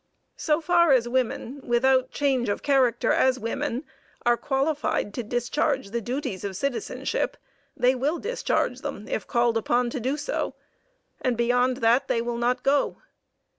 So far as women, without change of character as women, are qualified to discharge the duties of citizenship, they will discharge them if called upon to do so, and beyond that they will not go.